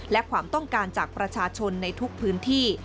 และความต้องการจากประชาชนในทุกพื้นที่